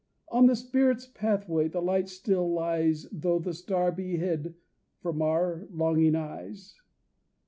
"On the spirit's pathway the light still lies Though the star be hid from our longing eyes.